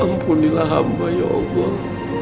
ampunilah hamba ya allah